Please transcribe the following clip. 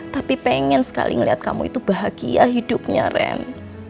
tapi pengen sekali melihat kamu itu bahagia hidupnya ren